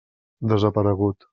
Desaparegut.